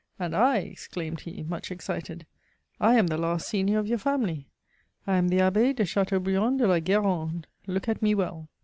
And I," exclaimed he, much excited, " I am the last senior of your family, I am the Abb^ de Chateaubriand de la Ou^rande ; look at me well."